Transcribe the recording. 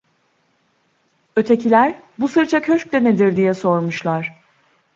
Ötekiler: "Bu sırça köşk de nedir?" diye sormuşlar.